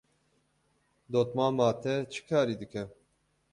Dotmama te çi karî dike?